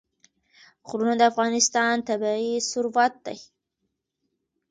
غرونه د افغانستان طبعي ثروت دی.